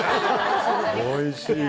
おいしい！